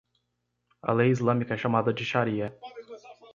A lei islâmica é chamada de shariah.